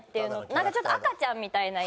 なんかちょっと赤ちゃんみたいなイメージ。